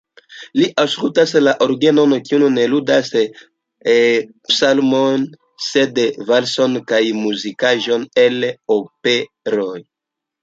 Li aŭskultas la orgenon, kiu ne ludas psalmojn, sed valsojn kaj muzikaĵojn el operoj.